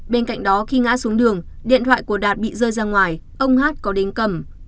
bên cạnh đó khi ngã xuống đường điện thoại của đạt bị rơi ra ngoài ông hát có đến cầm